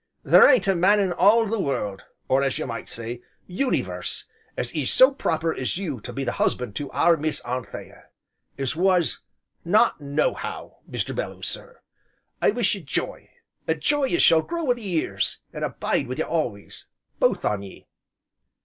There ain't a man in all the world, or as you might say, uni verse, as is so proper as you to be the husband to our Miss Anthea as was, not nohow, Mr. Belloo sir. I wish you j'y, a j'y as shall grow wi' the years, an' abide wi' you always, both on ye."